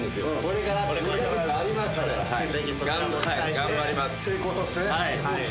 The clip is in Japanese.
頑張ります。